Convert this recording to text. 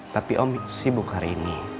tapi om sibuk hari ini